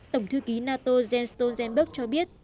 tổng thư ký nato jens stoltenberg cho biết